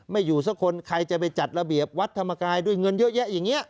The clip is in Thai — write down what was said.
อยู่สักคนใครจะไปจัดระเบียบวัดธรรมกายด้วยเงินเยอะแยะอย่างนี้